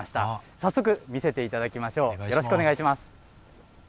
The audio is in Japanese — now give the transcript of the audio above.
早速、見せていただきましょう。